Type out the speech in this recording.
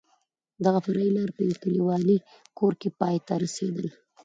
دغه فرعي لار په یو کلیوالي کور کې پای ته رسېدل.